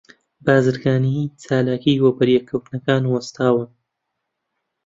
بازرگانی، چالاکی، و بەریەک کەوتنەکان وەستاون